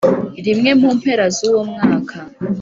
rimwe mu mpera zuwo mwaka,